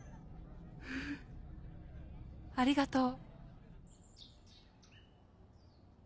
フッありがとう。